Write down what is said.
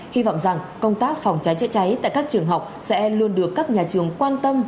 hy vọng rằng công tác phòng cháy chữa cháy tại các trường học sẽ luôn được các nhà trường quan tâm